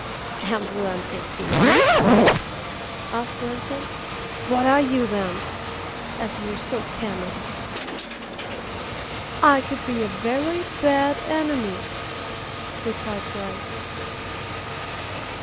"And when it isn't?" asked Ransford. "What are you then? as you're so candid." "I could be a very bad enemy," replied Bryce.